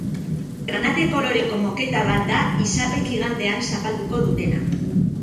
Granate koloreko moketa bat da izarrek igandean zapalduko dutena.